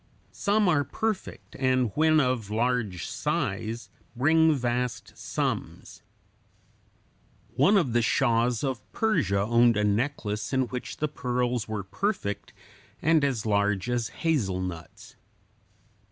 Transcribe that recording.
Some are perfect, and when of large size bring vast sums. One of the shahs of Persia owned a necklace in which the pearls were perfect and as large as hazelnuts.